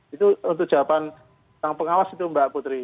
itu untuk jawaban tentang pengawas itu mbak putri